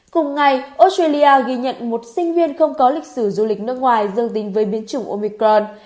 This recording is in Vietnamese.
cùng ngày australia ghi nhận một sinh viên không có lịch sử du lịch nước ngoài dương tình với biến chủng omicron